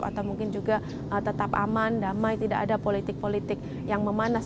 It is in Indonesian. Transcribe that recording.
atau mungkin juga tetap aman damai tidak ada politik politik yang memanas